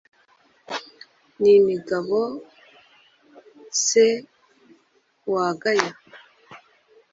ni imigabo se wagaye